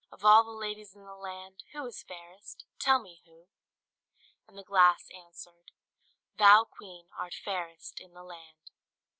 Of all the ladies in the land. Who is fairest? Tell me who?" And the glass answered, "Thou, Queen, art fairest in the land."